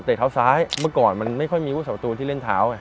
แต่เท้าซ้ายเมื่อก่อนมันไม่ค่อยมีผู้สาวตูนที่เล่นเท้าไง